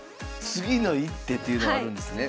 「次の一手」っていうのがあるんですね。